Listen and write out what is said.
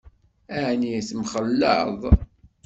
Ɛni temxelleḍ?